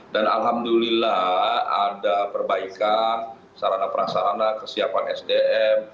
dan alhamdulillah ada perbaikan sarana perasarana kesiapan sdm